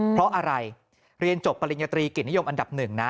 เพราะอะไรเรียนจบปริญญาตรีกิจนิยมอันดับหนึ่งนะ